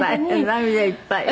涙いっぱいで」